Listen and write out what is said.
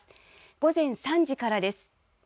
午前３時からです。